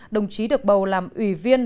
đồng chí được bầu làm ủy viên